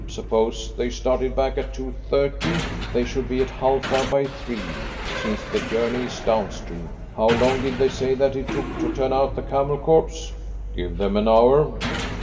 Suppose they started back at two thirty, they should be at Halfa by three, since the journey is down stream. How long did they say that it took to turn out the Camel Corps?" "Give them an hour."